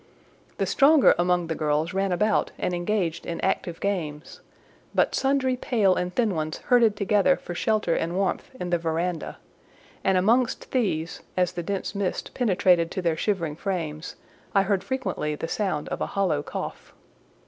The stronger among the girls ran about and engaged in active games, but sundry pale and thin ones herded together for shelter and warmth in the verandah; and amongst these, as the dense mist penetrated to their shivering frames, I heard frequently the sound of a hollow cough.